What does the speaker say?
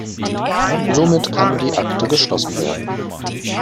Somit kann die Akte geschlossen werden.